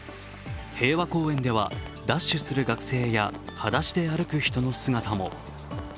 平和公園ではダッシュする学生や、はだしで歩く人の姿も。